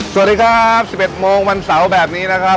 สวัสดีครับ๑๑โมงวันเสาร์แบบนี้นะครับ